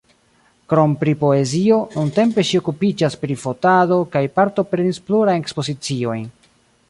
Krom pri poezio, nuntempe ŝi okupiĝas pri fotado, kaj partoprenis plurajn ekspoziciojn.